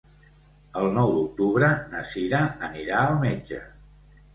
El nou d'octubre na Sira anirà al metge.